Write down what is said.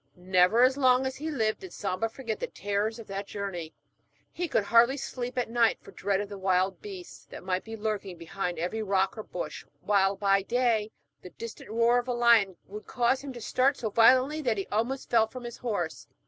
Never as long as he lived did Samba forget the terrors of that journey. He could hardly sleep at night for dread of the wild beasts that might be lurking behind every rock or bush, while, by day, the distant roar of a lion would cause him to start so violently, that he almost fell from his horse.